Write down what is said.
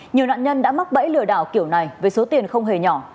nhiều nạn nhân đã mắc bẫy lừa đảo kiểu này với số tiền không hề nhỏ